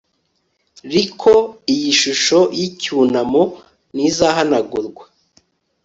riko iyi shusho yicyunamo ntizahanagurwa